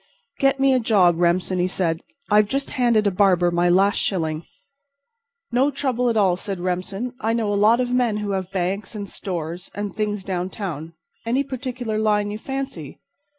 "Get me a job, Remsen," he said. "I've just handed a barber my last shilling." "No trouble at all," said Remsen. "I know a lot of men who have banks and stores and things downtown. Any particular line you fancy?"